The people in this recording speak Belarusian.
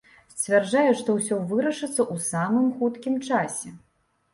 Сцвярджае, што ўсё вырашыцца у самым хуткім часе.